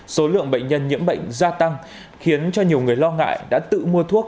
số lượng bệnh nhân nhiễm bệnh gia tăng khiến cho nhiều người lo ngại đã tự mua thuốc